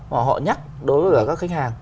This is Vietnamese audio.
và họ nhắc đối với các khách hàng